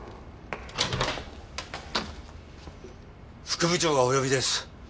副部長がお呼びです。